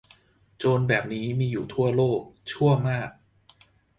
โจรแบบนี้มีอยู่ทั่วโลก ชั่วมาก